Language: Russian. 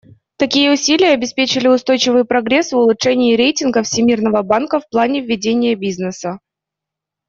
Такие усилия обеспечили устойчивый прогресс в улучшении рейтинга Всемирного банка в плане ведения бизнеса.